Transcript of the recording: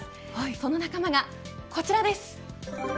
その仲間がこちらです。